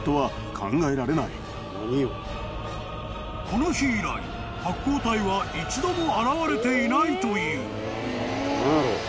［この日以来発光体は一度も現れていないという］